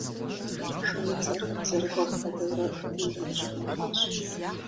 Шуудзэр зэрыкӏуэм хуэдэурэ бийм яжьэхыхьащ.